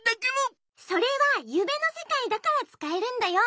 それはゆめのせかいだからつかえるんだよ。